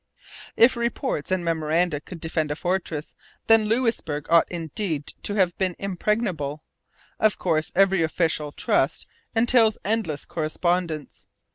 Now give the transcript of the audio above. If reports and memoranda could defend a fortress, then Louisbourg ought indeed to have been impregnable. Of course every official trust entails endless correspondence.